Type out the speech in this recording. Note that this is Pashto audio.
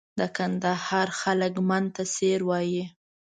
د کندهار خلک من ته سېر وایي.